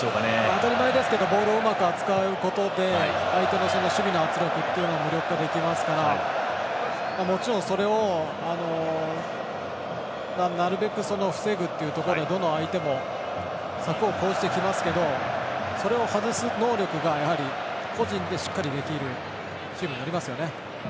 当たり前ですけどボールをうまく扱うことで相手の守備の圧力を無力化できますからもちろんそれをなるべく防ぐっていうところでどの相手も策を講じてきますけどそれを外す能力がやはり、個人でしっかりできる守備になりますよね。